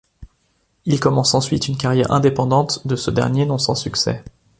Il commence ensuite une carrière indépendante de ce dernier non sans succès.